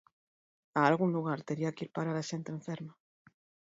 A algún lugar tería que ir parar a xente enferma.